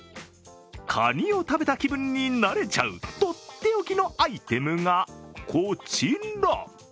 カニを食べた気分になれちゃうとっておきのアイテムがこちら。